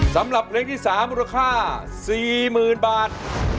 สำหรับเพลงที่๓มูลค่า๔๐๐๐บาท